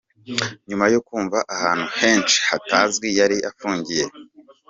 Nyuma yo kumva ahantu henshi hatazwi yari afungiye.